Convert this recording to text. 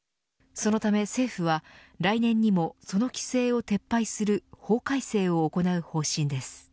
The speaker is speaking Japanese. そのため、政府は来年にもその規制を撤廃する法改正を行う方針です。